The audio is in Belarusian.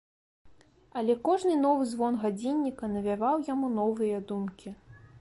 Але кожны новы звон гадзінніка навяваў яму новыя думкі.